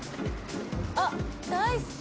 あっ大好き！